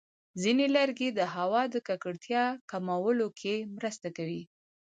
ځینې لرګي د هوا د ککړتیا کمولو کې مرسته کوي.